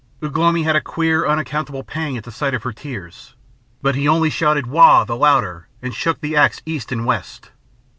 Ugh lomi had a queer unaccountable pang at the sight of her tears; but he only shouted "Wau!" the louder and shook the axe east and west.